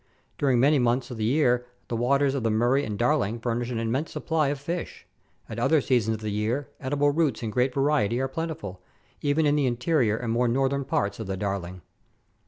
During many months of the year the waters of the Murray and Darling furnish an immense supply of fish; at other seasons of the year edible roots in great variety are plentiful, even in the interior and more northern parts of the Darling.